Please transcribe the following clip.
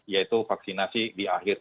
yaitu vaksinasi di akhir